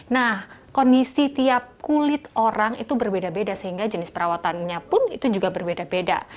nah kondisi tiap kulit orang itu berbeda beda sehingga jenis perawatannya pun itu juga berbeda beda